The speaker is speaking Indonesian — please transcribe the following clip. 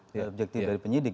subjektif dari penyidik